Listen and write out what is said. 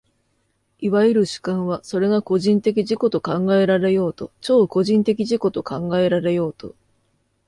いわゆる主観は、それが個人的自己と考えられようと超個人的自己と考えられようと、